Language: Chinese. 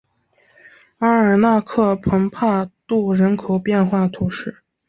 阿尔纳克蓬帕杜人口变化图示